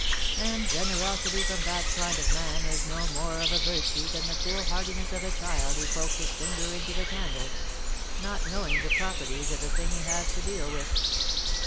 And generosity from that kind of man is no more of a virtue than the foolhardiness of a child who pokes his finger into the candle, not knowing the properties of the thing he has to deal with.